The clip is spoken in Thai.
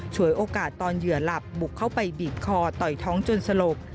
โอกาสตอนเหยื่อหลับบุกเข้าไปบีบคอต่อยท้องจนสลบ